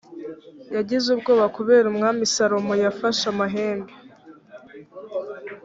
yagize ubwoba kubera umwami salomo yafashe amahembe